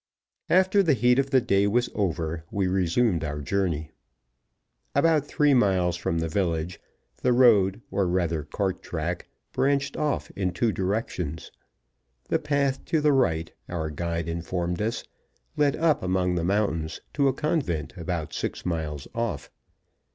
After the heat of the day was over we resumed our journey. About three miles from the village, the road, or rather cart track, branched off in two directions. The path to the right, our guide informed us, led up among the mountains to a convent about six miles off.